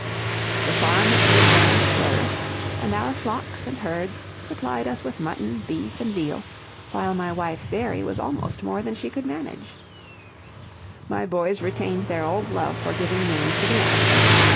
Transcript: The farm at Woodlands flourished, and our flocks and herds supplied us with mutton, beef, and veal, while my wife's dairy was almost more than she could manage. My boys retained their old love for giving names to the animals.